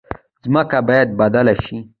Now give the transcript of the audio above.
ځمکه باید بدله شي.